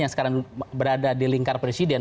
yang sekarang berada di lingkar presiden